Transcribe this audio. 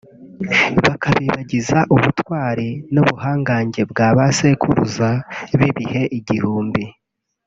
bakabibagiza ubutwari n’ubuhangange bwa ba sekuruza b’ibihe igihumbi